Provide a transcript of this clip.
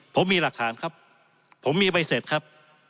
ผมมีหลักฐานครับผมมีใบเสร็จครับ